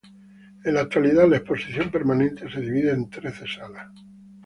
En la actualidad, la exposición permanente se divide en trece salas.